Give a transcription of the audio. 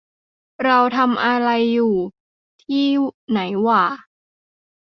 เราทำอะไรอยู่ที่ไหนหว่า